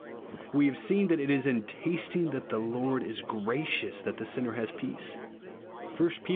We have seen that it is in " tasting that the Lord is gracious" that the sinner has peace (1 Pet.